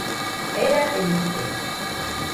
Berabe nite